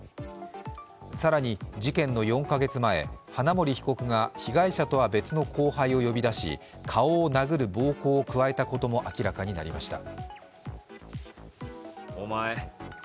更に事件の４か月前、花森被告が被害者とは別の後輩を呼び出し顔を殴る暴行を加えたことも明らかになりました。